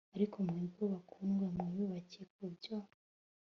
Ariko mwebweho bakundwa mwiyubake ku byo